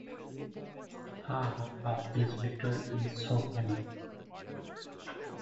His father was undersecretary of the Home Department of the government of Maharashtra.